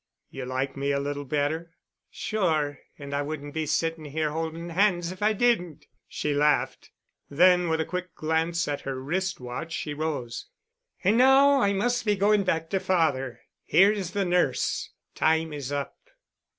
"You like me a little better——?" "Sure and I wouldn't be sitting here holding hands if I didn't," she laughed. Then with a quick glance at her wrist watch she rose. "And now I must be going back to father. Here is the nurse. Time is up."